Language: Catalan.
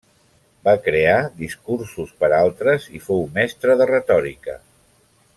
Va crear discursos per altres i fou mestre de retòrica.